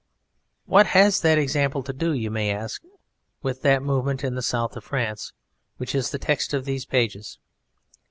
What has that example to do, you may ask, with that movement in the south of France, which is the text of these pages?